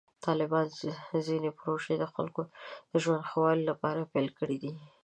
طالبانو ځینې پروژې د خلکو د ژوند د ښه والي لپاره پیل کړې دي.